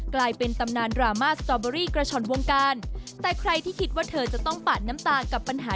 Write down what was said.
กลายเป็นตำนานรามาสตรอเบอร์รี่กระชนวงกาลแต่ใครที่คิดว่าเธอจะต้องปัดน้ำตา